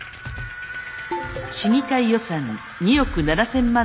市議会予算２億７，０００万の削減。